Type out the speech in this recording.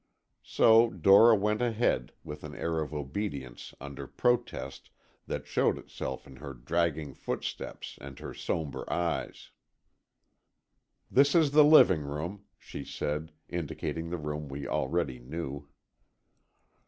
So Dora went ahead, with an air of obedience under protest that showed itself in her dragging footsteps and her sombre eyes. "This is the living room," she said, indicating the room we already knew.